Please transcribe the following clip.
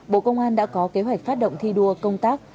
bộ công an đã có kế hoạch phát động thi đua công tác